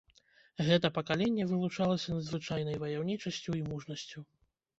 Гэта пакаленне вылучалася надзвычайнай ваяўнічасцю і мужнасцю.